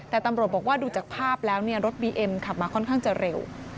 แต่ตำรวจบอกว่าดูจากภาพแล้วเนี่ยรถบีเอ็มขับมาค่อนข้างจะเร็ว